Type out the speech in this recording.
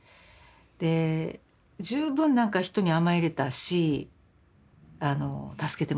で十分なんか人に甘えれたし助けてもらった。